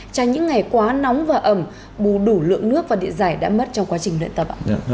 trong những ngày quá nóng và ẩm bù đủ lượng nước và địa giải đã mất trong quá trình luyện tập